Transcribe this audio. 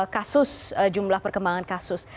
kasus jumlah perkembangan kasus